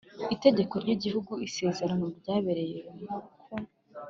itegeko ry igihugu isezerano ryabereyemo ku